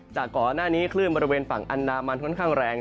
จากก่อนหน้านี้คลื่นบริเวณฝั่งอันดามันค่อนข้างแรง